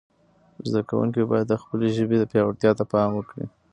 زده کوونکي باید د خپلې ژبې پياوړتیا ته پام وکړي.